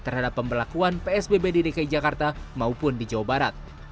terhadap pembelakuan psbb di dki jakarta maupun di jawa barat